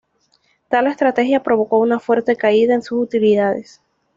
Tal estrategia provocó una fuerte caída en sus utilidades.